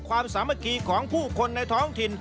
ความสามารถของผู้คนในท้องถิ่น